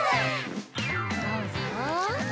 どうぞ。